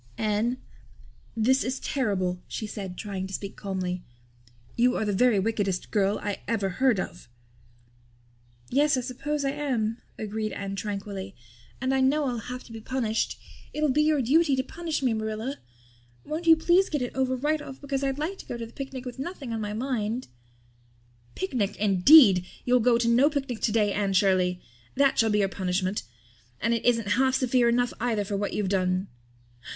"Anne, this is terrible," she said, trying to speak calmly. "You are the very wickedest girl I ever heard of." "Yes, I suppose I am," agreed Anne tranquilly. "And I know I'll have to be punished. It'll be your duty to punish me, Marilla. Won't you please get it over right off because I'd like to go to the picnic with nothing on my mind." "Picnic, indeed! You'll go to no picnic today, Anne Shirley. That shall be your punishment. And it isn't half severe enough either for what you've done!"